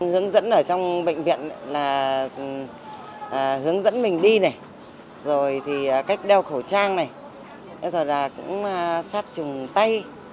hướng dẫn ở trong bệnh viện là hướng dẫn mình đi này rồi thì cách đeo khẩu trang này thế rồi là cũng sát trùng tay